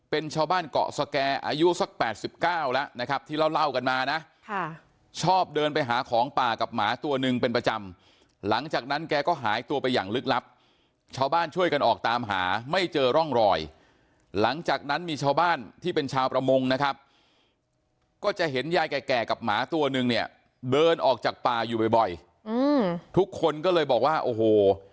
เป็นชาวบ้านเกาะสแก่อายุสัก๘๙แล้วนะครับที่เล่ากันมานะชอบเดินไปหาของป่ากับหมาตัวหนึ่งเป็นประจำหลังจากนั้นแกก็หายตัวไปอย่างลึกลับชาวบ้านช่วยกันออกตามหาไม่เจอร่องรอยหลังจากนั้นมีชาวบ้านที่เป็นชาวประมงนะครับก็จะเห็นยายแก่กับหมาตัวนึงเนี่ยเดินออกจากป่าอยู่บ่อยทุกคนก็เลยบอกว่าโอ้โห